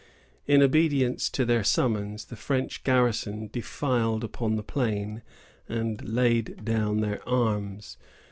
In obedience to their summons, the French garrison defiled upon the plain, and laid down their arms.